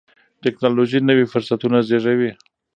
ټیکنالوژي نوي فرصتونه زیږوي.